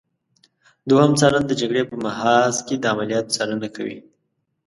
دوهم څارن د جګړې په محاذ کې د عملیاتو څارنه کوي.